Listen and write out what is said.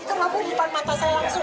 itu mampu di depan mata saya langsung